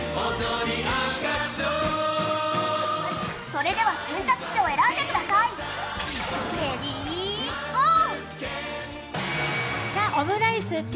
それでは選択肢を選んでください、レディーゴー！